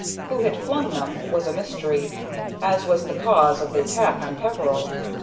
Who had flung them was a mystery, as was the cause of the attack on Peveril.